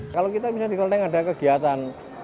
kalau kita di gudo ada kegiatan